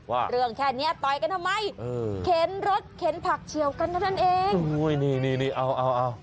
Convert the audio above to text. ว่าเรื่องแค่เนี้ยต่อยกันทำไมเออเข็นรถเข็นผักเฉียวกันเท่านั้นเองโอ้โหนี่นี่เอาเอาเอา